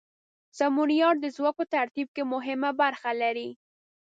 سمونیار د ځواک په ترتیب کې مهمه برخه لري.